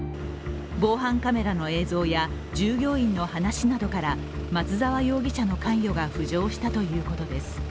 防犯カメラの映像や従業員の話などから松沢容疑者の関与が浮上したということです。